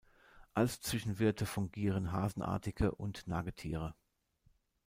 Als Zwischenwirte fungieren Hasenartige und Nagetiere.